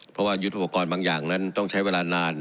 เพราะว่ายุทธโปรกรณ์บางอย่างนั้นต้องใช้เวลานาน